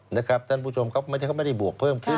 ท่านผู้ชมครับไม่ได้บวกเพิ่มขึ้น